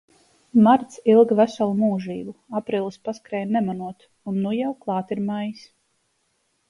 Marts ilga veselu mūžību, aprīlis paskrēja nemanot, un nu jau klāt ir maijs.